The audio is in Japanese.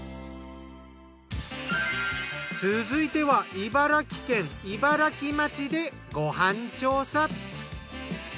続いては茨城県茨城町でご飯調査。